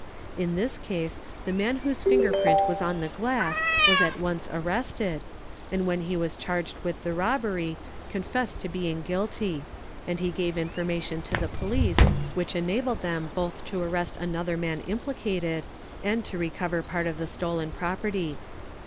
In this case the man whose finger print was on the glass was at once arrested, and wher he was charged with the robbery confessed to being guilty; and he gave in formation to the police which enabled them both to arrest another man implicated and to recover part of the stolen property.